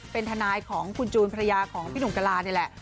เป็นทนายของคุณจูนภรรยาของพี่หนุ่มกะลานี่แหละ